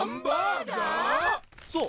そう。